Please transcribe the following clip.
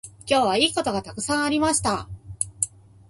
今日はいいことがたくさんありました。